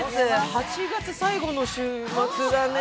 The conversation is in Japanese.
８月最後の週末だね。